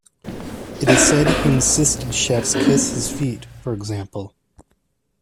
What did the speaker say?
It is said he insisted chiefs kiss his feet, for example.